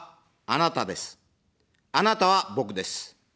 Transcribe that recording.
あなたは、僕です。